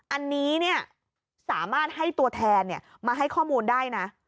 อันนี้สามารถให้ตัวแทนมาให้ข้อมูลได้นะ